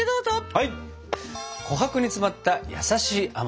はい！